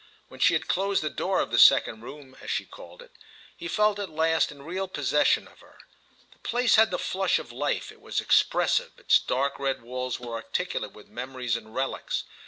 When she had closed the door of the second room, as she called it, he felt at last in real possession of her. The place had the flush of life—it was expressive; its dark red walls were articulate with memories and relics.